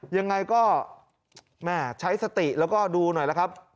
ยังไงก็แม่ใช้สติแล้วก็ดูหน่อยละครับ